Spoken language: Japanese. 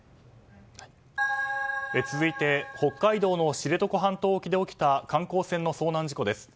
続いて北海道の知床半島沖で起きた観光船の遭難事故です。